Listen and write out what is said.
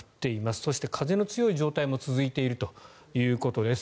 そして風の強い状態も続いているということです。